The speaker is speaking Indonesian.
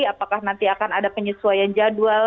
apakah nanti akan ada penyesuaian jadwal